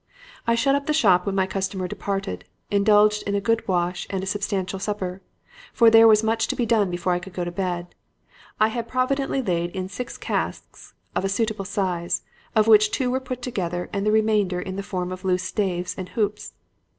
"I shut up the shop when my customer departed, indulged in a good wash and a substantial supper. For there was much to be done before I could go to bed. I had providently laid in six casks of a suitable size, of which two were put together and the remainder in the form of loose staves and hoops.